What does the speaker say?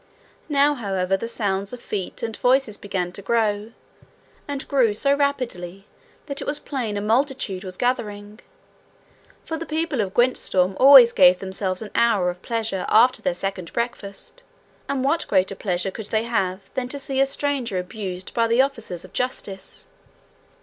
Now, however, the sounds of feet and voices began to grow, and grew so rapidly that it was plain a multitude was gathering. For the people of Gwyntystorm always gave themselves an hour of pleasure after their second breakfast, and what greater pleasure could they have than to see a stranger abused by the officers of justice?